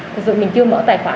thực sự mình chưa mở tài khoản